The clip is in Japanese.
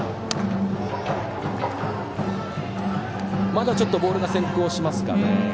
まだちょっとボールが先行しますかね。